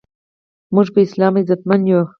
مونږ په اسلام عزتمند یو